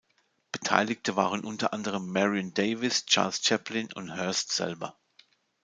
Beteiligte waren unter anderem Marion Davies, Charles Chaplin und Hearst selber.